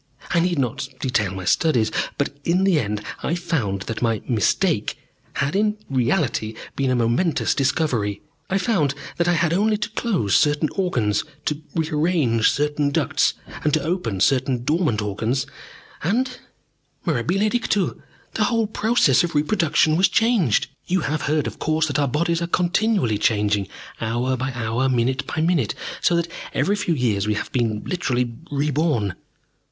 I need not detail my studies. But in the end I found that my 'mistake' had in reality been a momentous discovery. I found that I had only to close certain organs, to re arrange certain ducts, and to open certain dormant organs, and, mirabile dictu, the whole process of reproduction was changed. "You have heard, of course, that our bodies are continually changing, hour by hour, minute by minute, so that every few years we have been literally reborn.